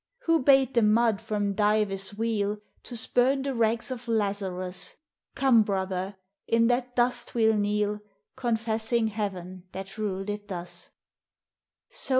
Who bade the mud from Dives' wheel To spurn the rags of Lazarus? Come, brother, in that dust we 11 kneel. Confessing Heaven that ruled it thus.